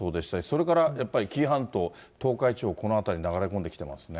それからやっぱり紀伊半島、東海地方、この辺りに流れ込んできてますね。